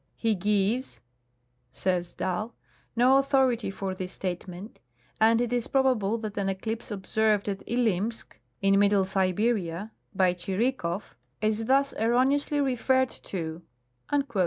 He gives," says Dall, " no authority for this statement, and it is probable that an eclipse observed at Ilimsk, in middle Siberia, by Chirikoflfis thus erroneously referred 220 General A.